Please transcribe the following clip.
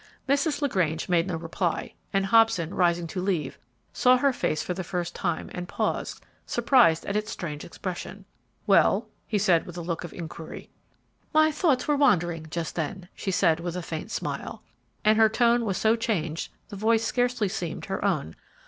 Mrs. LaGrange made no reply, and Hobson, rising to take leave, saw her face for the first time and paused, surprised at its strange expression. "Well?" he said, with a look of inquiry. "My thoughts were wandering just then," she said, with a faint smile, and her tone was so changed the voice scarcely seemed her own.